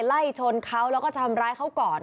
ไล่ชนเขาแล้วก็ทำร้ายเขาก่อน